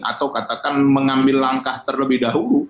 atau katakan mengambil langkah terlebih dahulu